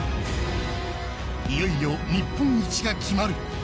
いよいよ日本一が決まる。